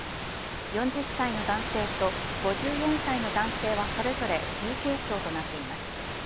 ４０歳の男性と５４歳の男性はそれぞれ重軽傷となっています。